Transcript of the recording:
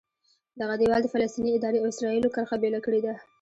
دغه دیوال د فلسطیني ادارې او اسرایلو کرښه بېله کړې ده.